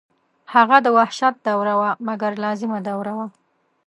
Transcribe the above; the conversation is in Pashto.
هغه د وحشت دوره وه مګر لازمه دوره وه.